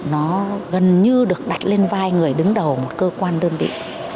nó gần như được đặt lên vai người đứng đầu một cơ quan đơn vị